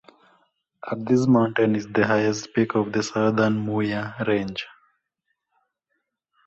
At this mountain is the highest peak of the Southern Muya Range.